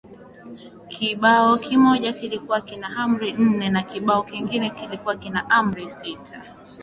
Kibao kimoja kilikuwa kina Amri nne na kibao kingine kilikuwa kina Amri sita